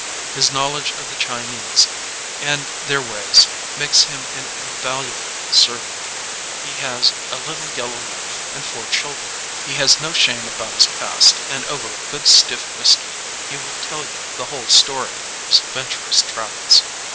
His knowledge of the Chinese and their ways makes him an invaluable servant. He has a little yellow wife and four children. He has no shame about his past and over a good stiff whisky he will tell you the whole story of his ad venturous travels.